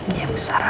iya bu sarah